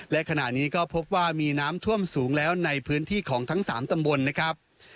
และขณะนี้ก็พบว่ามีน้ำท่วมสูงแล้วในพื้นที่ของทั้ง๓ตำบลนะครับ